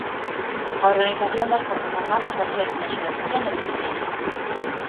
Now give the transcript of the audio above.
A organización das forzas armadas baséase na xerarquía e na disciplina.